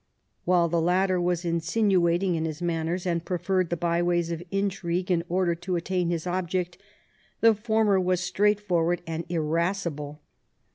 While the latter was insinuating in his manners, and preferred the byways of intrigue in order to attain his object, the former was straightforward and irascible.